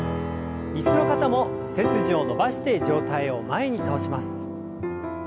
椅子の方も背筋を伸ばして上体を前に倒します。